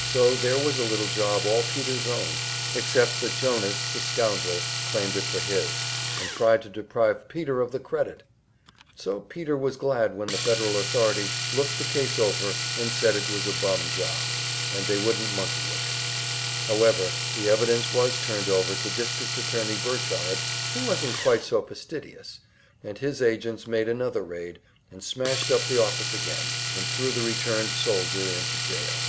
So there was a little job all Peter's own; except that Jonas, the scoundrel, claimed it for his, and tried to deprive Peter of the credit! So Peter was glad when the Federal authorities looked the case over and said it was a bum job, and they wouldn't monkey with it. However, the evidence was turned over to District attorney Burchard, who wasn't quite so fastidious, and his agents made another raid, and smashed up the office again, and threw the returned soldier into jail.